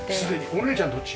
お姉ちゃんどっち？